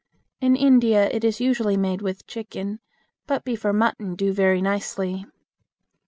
In India it is usually made with chicken, but beef or mutton do very nicely.